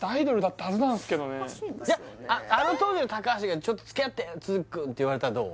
あの当時の高橋がちょっと付き合って都築君って言われたらどう？